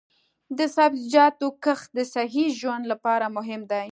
د سبزیجاتو کښت د صحي ژوند لپاره مهم دی.